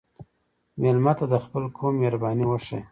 مېلمه ته د خپل قوم مهرباني وښیه.